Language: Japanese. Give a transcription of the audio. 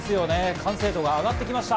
完成度が上がってきました。